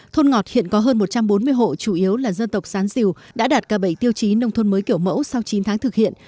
thôn ngọt hiện có hơn một trăm bốn mươi hộ chủ yếu là dân tộc sán diều đã đạt cả bảy tiêu chí nông thôn mới kiểu mẫu sau chín tháng thực hiện